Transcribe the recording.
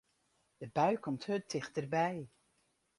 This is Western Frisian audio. De bui komt hurd tichterby.